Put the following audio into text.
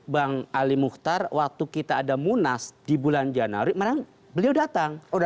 bang ali muhtar waktu kita ada munas di bulan januari menang beliau datang